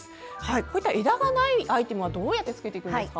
こういった枝がないアイテムはどうやってつけていくんですか？